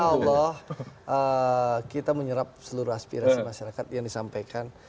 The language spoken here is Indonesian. insya allah kita menyerap seluruh aspirasi masyarakat yang disampaikan